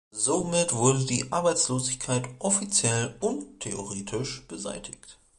Somit wurde die Arbeitslosigkeit offiziell und theoretisch beseitigt.